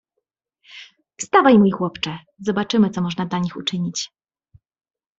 "Wstawaj, mój chłopcze; zobaczymy, co można dla nich uczynić."